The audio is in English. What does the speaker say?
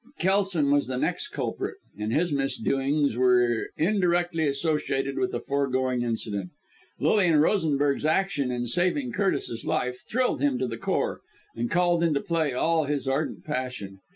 Kelson was the next culprit; and his misdoings were indirectly associated with the foregoing incident. Lilian Rosenberg's action in saving Curtis's life, thrilled him to the core, and called into play all his ardent passion.